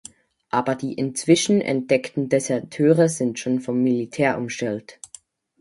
Aber die inzwischen entdeckten Deserteure sind schon von Militär umstellt.